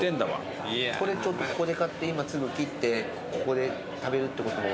これちょっとここで買って今すぐ切ってここで食べるってことも。